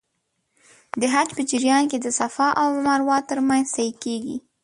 د حج په جریان کې د صفا او مروه ترمنځ سعی کېږي.